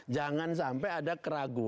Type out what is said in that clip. jangan sampai ada keraguan